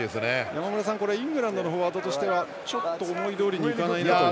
山村さん、イングランドのフォワードとしてはちょっと思いどおりにいかないなという？